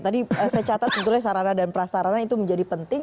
tadi saya catat sebetulnya sarana dan prasarana itu menjadi penting